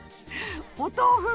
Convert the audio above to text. お豆腐！